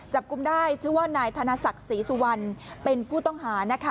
กุมได้ชื่อว่านายธนศักดิ์ศรีสุวรรณเป็นผู้ต้องหานะคะ